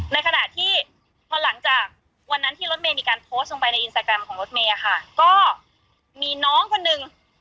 ในขณะที่พอหลังจากวันนั้นที่รถเมย์มีการโพสต์ลงไปในอินสตาแกรมของรถเมย์ค่ะก็มีน้องคนหนึ่ง